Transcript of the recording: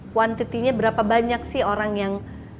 kuantitinya berapa banyak sih orang yang